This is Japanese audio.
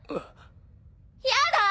やだ！